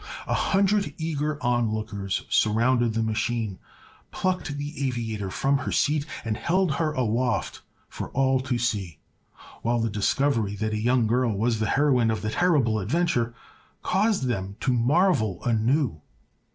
A hundred eager onlookers surrounded the machine, plucked the aviator from her seat and held her aloft for all to see, while the discovery that a young girl was the heroine of the terrible adventure caused them to marvel anew.